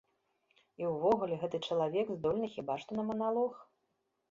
І ўвогуле, гэты чалавек здольны хіба што на маналог.